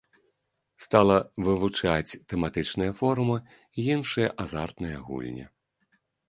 Стала вывучаць тэматычныя форумы, іншыя азартныя гульні.